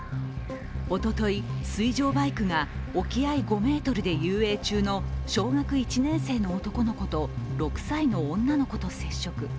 おととい、水上バイクが沖合５ｍで遊泳中の小学１年生の男の子と６歳の女の子と接触。